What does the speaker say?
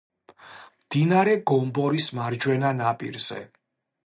მდინარე გომბორის მარჯვენა ნაპირზე.